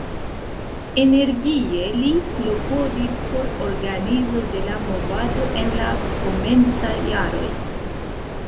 Energie li klopodis por organizo de la movado en la komencaj jaroj.